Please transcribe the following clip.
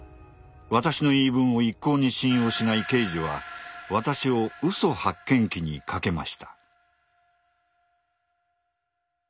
私の言い分を一向に信用しない刑事は私を嘘発見器にかけました。